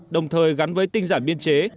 đồng thời gắn với tinh giản biên chế